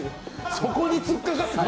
そこに突っかかってくる？